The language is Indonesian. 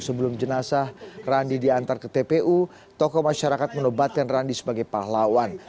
sebelum jenazah randi diantar ke tpu tokoh masyarakat menobatkan randi sebagai pahlawan